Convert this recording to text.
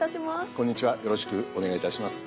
こんにちはよろしくお願いいたします。